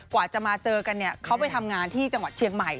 กว่าจะมาเจอกันเนี่ยเขาไปทำงานที่จังหวัดเชียงใหม่